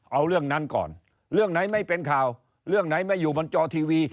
เอาเรื่องนั้นก่อนเรื่องไหนไม่เป็นข่าวเรื่องไหนไม่อยู่บนจอทีวี